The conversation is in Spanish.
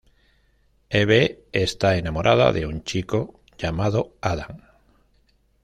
Eve está enamorada de un chico llamado Adam.